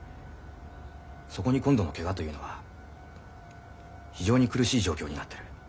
そこに今度のケガというのは非常に苦しい状況になってる。